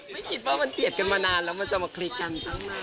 ไม่คิดว่ามันเจียดกันมานานแล้วมันจะมาคลิกกันทั้งนั้น